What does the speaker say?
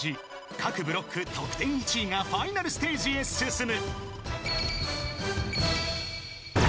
［各ブロック得点１位がファイナルステージへ進む］